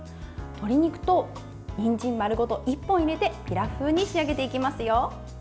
鶏肉とにんじん丸ごと１本入れてピラフ風に仕上げていきますよ。